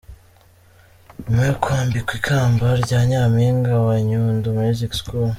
Nyuma yo kwambikwa ikamba rya Nyampinga wa Nyundo Music school.